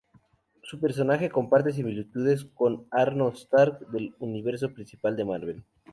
Su personaje comparte similitudes con Arno Stark del universo principal de Marvel.